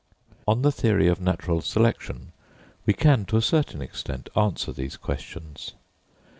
On the theory of natural selection, we can, to a certain extent, answer these questions.